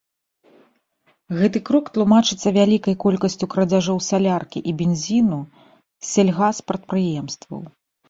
Гэты крок тлумачыцца вялікай колькасцю крадзяжоў саляркі і бензіну з сельгаспрадпрыемстваў.